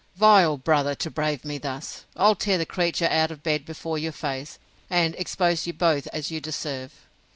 Vile brother, to brave me thus! I'll tear the creature out of bed before your face, and expose you both as you deserve.